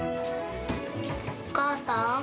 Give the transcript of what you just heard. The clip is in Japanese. お母さん